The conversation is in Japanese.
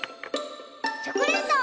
チョコレート！